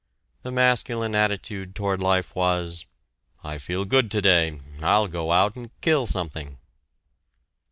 The masculine attitude toward life was: "I feel good today; I'll go out and kill something."